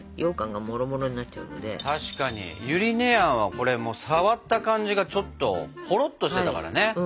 確かにゆり根あんはこれ触った感じがちょっとほろっとしてたからね。